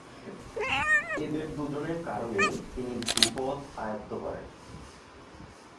এঁদের দুজনের কারণেই তিনি ধ্রুপদ আয়ত্ত করেন।